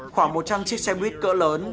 khoảng một trăm linh chiếc xe buýt cỡ lớn